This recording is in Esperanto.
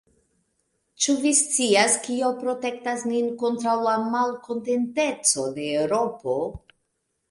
Ĉu vi scias, kio protektas nin kontraŭ la malkontenteco de Eŭropo?